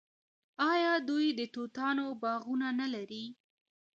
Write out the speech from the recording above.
آیا دوی د توتانو باغونه نلري؟